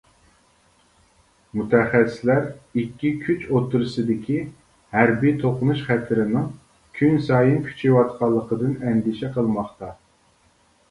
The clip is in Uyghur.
مۇتەخەسسىسلەر ئىككى كۈچ ئوتتۇرىدىكى ھەربىي توقۇنۇش خەتىرىنىڭ كۈنسايىن كۈچىيىۋاتقانلىقىدىن ئەندىشە قىلماقتا.